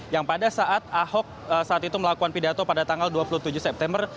yang pada saat ahok saat itu melakukan pidato pada tanggal dua puluh tujuh september